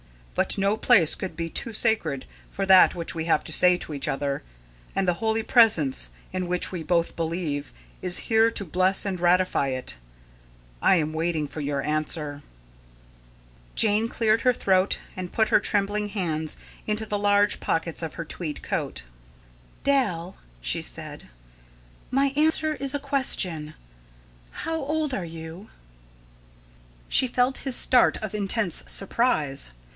But no place could be too sacred for that which we have to say to each other, and the Holy Presence, in which we both believe, is here to bless and ratify it. I am waiting for your answer." Jane cleared her throat and put her trembling hands into the large pockets of her tweed coat. "Dal," she said; "my answer is a question. How old are you?" She felt his start of intense surprise.